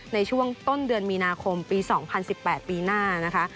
ในช่วงต้นเดือนมีนาคมปี๒๐๑๘ปีหน้านะคะ